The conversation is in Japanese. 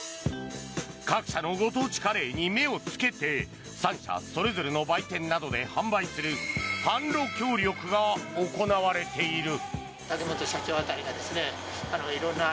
各社のご当地カレーに目をつけて３社それぞれの売店などで販売する販路協力が行われている。